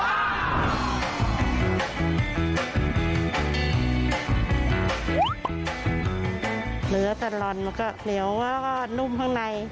เนื้อตลอดมันก็เหนียวแล้วก็นุ่มข้างใน